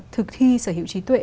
thực thi sở hữu trí tuệ